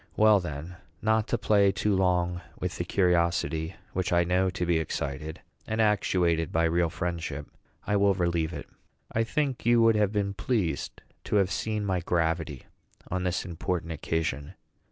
Well, then, not to play too long with the curiosity which I know to be excited and actuated by real friendship, I will relieve it. I think you would have been pleased to have seen my gravity on this important occasion.